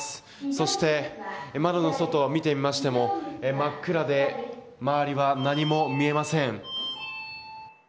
そして、窓の外を見てみましても真っ暗で周りは何も見えません。